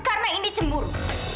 karena indy cemburu